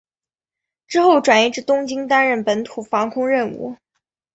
之后转移至东京担任本土防空任务。